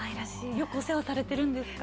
よくお世話されてるんですか？